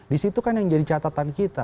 disitu kan yang jadi catatan kita